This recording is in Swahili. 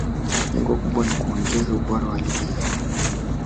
lengo kubwa ni kuongeza ubora wa ligi yao